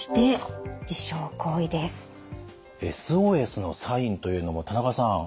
１つ目ＳＯＳのサインというのも田中さん